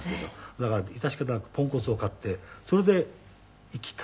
だから致し方なくポンコツを買ってそれで行き帰りしてたんですよ。